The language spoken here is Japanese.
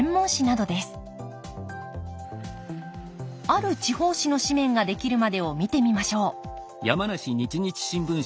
ある地方紙の紙面が出来るまでを見てみましょう